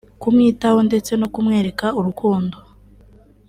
kumwitaho ndetse no kumwereka urukundo